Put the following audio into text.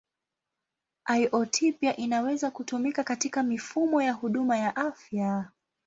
IoT pia inaweza kutumika katika mifumo ya huduma ya afya.